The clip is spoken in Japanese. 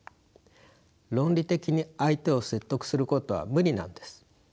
論理的に相手を説得することは無理なんです。